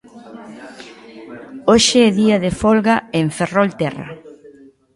Hoxe é día de folga en Ferrolterra.